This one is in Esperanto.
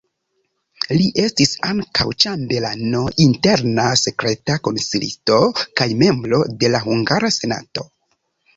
Li estis ankaŭ ĉambelano, interna sekreta konsilisto kaj membro de la hungara senato.